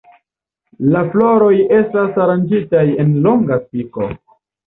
La floroj estas aranĝitaj en longa spiko.